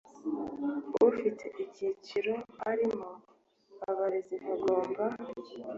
ufite icyiciro arimo Abarezi bagomba